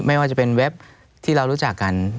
ไม่ว่าจะเป็นเว็บที่เรารู้จักกัน